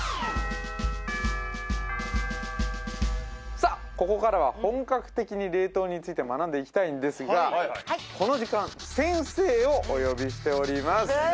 さあここからは本格的に冷凍について学んでいきたいんですがこの時間先生をお呼びしております